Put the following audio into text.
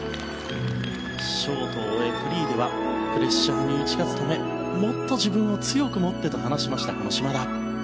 ショートを終えフリーではプレッシャーに打ち勝つためもっと自分を強く持ってと話しました、島田。